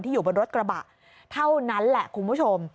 อยู่บนรถกระบะเท่านั้นแหละคุณผู้ชม